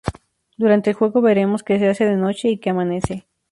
Durante el juego veremos que se hace de noche y que amanece.